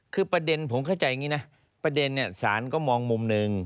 คือประเด็นผมเข้าใจอย่างนี้นะประเด็นเนี่ยสารก็มองมุมหนึ่ง